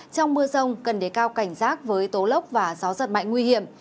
trong mưa rông cần để cao cảnh rác với tố lốc và gió giật mạnh nguy hiểm